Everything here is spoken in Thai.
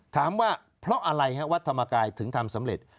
ถามว่าเพราะอะไรฮะวัดธรรมกายถึงทำสำเร็จ